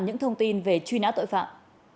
những thông tin về truy nã tội phạm